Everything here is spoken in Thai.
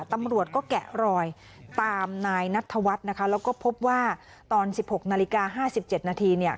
ตำรวจก็แกะรอยตามนายนัทธวัฒน์นะคะแล้วก็พบว่าตอนสิบหกนาฬิกาห้าสิบเจ็ดนาทีเนี้ย